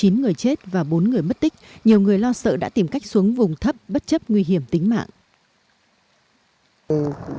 chín người chết và bốn người mất tích nhiều người lo sợ đã tìm cách xuống vùng thấp bất chấp nguy hiểm tính mạng